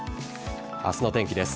明日の天気です。